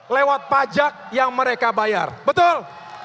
lewat pajak yang mereka bayar betul